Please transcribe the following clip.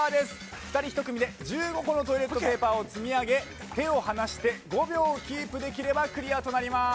２人１組で１５個のトイレットペーパーを積み上げ手を離して５秒キープできればクリアとなります。